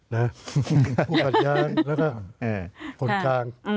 แล้วผู้กัดย้ายแล้วก็คนกลาง